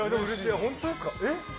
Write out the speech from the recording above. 本当ですか？